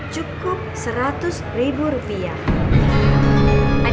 cukup seratus ribu rupiah